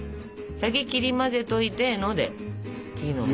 先切り混ぜといてので次のモン。